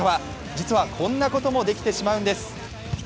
実はこんなこともできてしまうんです。